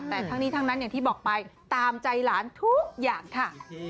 แต่ทั้งนี้ทั้งนั้นอย่างที่บอกไปตามใจหลานทุกอย่างค่ะ